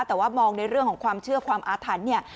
แต่ว่ามองในเรื่องของความเชื่อความอาถรรพ์เนี่ย